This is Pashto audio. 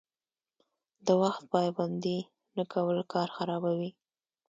د وخت پابندي نه کول کار خرابوي.